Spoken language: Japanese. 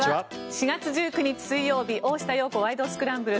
４月１９日、水曜日「大下容子ワイド！スクランブル」。